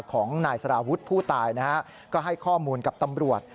ของนายสารวุฒิผู้ตายนะฮะก็ให้ข้อมูลกับตำรวจ